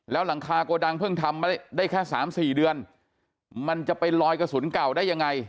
แล้วหลังคาโกดังเพิ่งทำได้แค่๓๔เดือนมันจะไปลอยกระสุนเก่าได้ยังไง